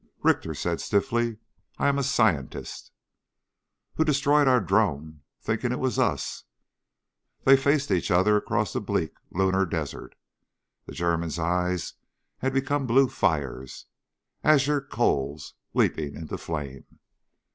Richter said stiffly: "I am a scientist." "Who destroyed our drone thinking it was us." They faced each other across the bleak lunar desert. The German's eyes had become blue fires azure coals leaping into flame.